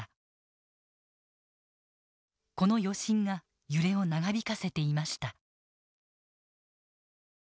この余震が揺れを長引かせていました。